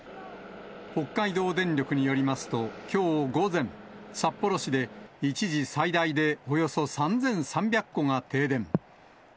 北海道電力によりますと、きょう午前、札幌市で一時最大で、およそ３３００戸が停電。